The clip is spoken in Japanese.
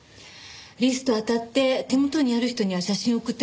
リストあたって手元にある人には写真送ってもらってる。